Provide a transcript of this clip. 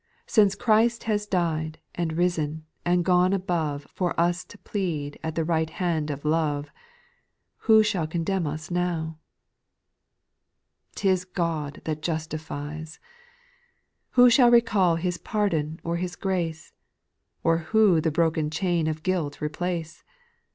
Since Christ has died, and ris'n, and gone above For us to plead at the right hand of love, Who shall condemn us now ? 5. ' T is God that justifies I Who shall recall His pardon or His grace ! Or who the broken chain of guilt replace